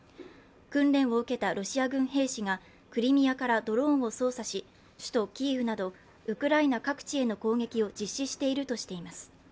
訓練を受けたロシア軍兵士がクリミアからドローンを操作し首都キーウなどウクライナ各地への攻撃を実施しているとしています。